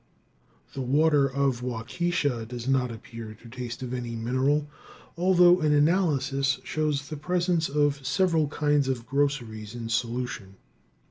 The water of Waukesha does not appear to taste of any mineral, although an analysis shows the presence of several kinds of groceries in solution.